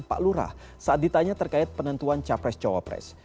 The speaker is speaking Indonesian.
pak lurah saat ditanya terkait penentuan capres cawapres